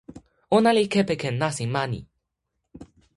ona li kepeken nasin mani.